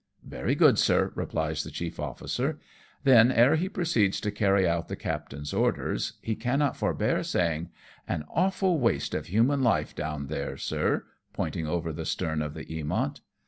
" Very good, sir,'^ replies the chief officer ; then, ere he proceeds to carry out the captain's orders, he cannot forbear saying, " An awful^waste of human life down there, sir/' pointing over the stern of the Eamont.